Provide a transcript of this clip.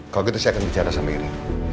kalau gitu saya akan bicara sama iren